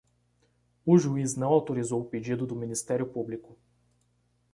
O juiz não autorizou o pedido do ministério público